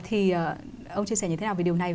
thì ông chia sẻ như thế nào về điều này